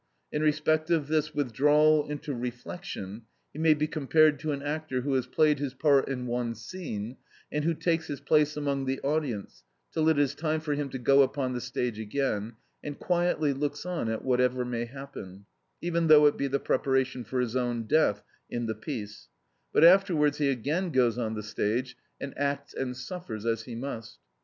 In respect of this withdrawal into reflection he may be compared to an actor who has played his part in one scene, and who takes his place among the audience till it is time for him to go upon the stage again, and quietly looks on at whatever may happen, even though it be the preparation for his own death (in the piece), but afterwards he again goes on the stage and acts and suffers as he must.